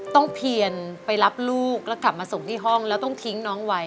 เพียนไปรับลูกแล้วกลับมาส่งที่ห้องแล้วต้องทิ้งน้องไว้